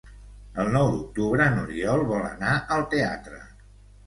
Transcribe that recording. El nou d'octubre n'Oriol vol anar al teatre.